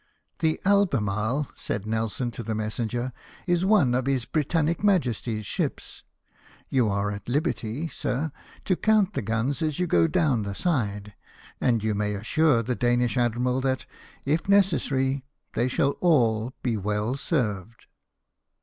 "The Albemarle," said Nelson to the messenger, " is one of His Britannic Majesty's ships. You are at liberty, sir, to count the guns as you go down the side ; and you may assure the Danish admiral that, if necessary, they shall all be well served."